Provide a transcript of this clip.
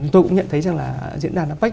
tôi cũng nhận thấy rằng diễn đàn apec